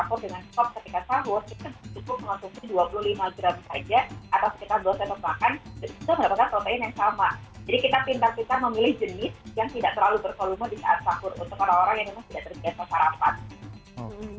untuk orang orang yang memang tidak terbiasa sarapan